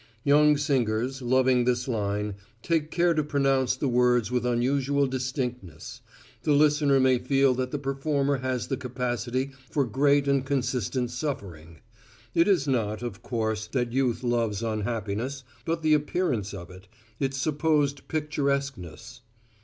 Young singers, loving this line, take care to pronounce the words with unusual distinctness: the listener may feel that the performer has the capacity for great and consistent suffering. It is not, of course, that youth loves unhappiness, but the appearance of it, its supposed picturesqueness.